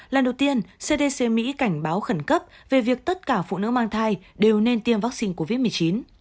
lần đầu tiên cdc mỹ cảnh báo khẩn cấp về việc tất cả phụ nữ mang thai đều nên tiêm vaccine covid một mươi chín